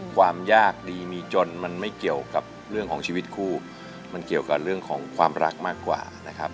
ความยากดีมีจนมันไม่เกี่ยวกับเรื่องของชีวิตคู่มันเกี่ยวกับเรื่องของความรักมากกว่านะครับ